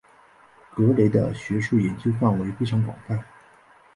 格雷的学术研究范围非常广泛。